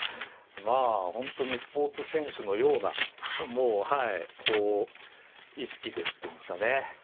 まあ本当にスポーツ選手のようなもうはいこう意識でっていうんですかね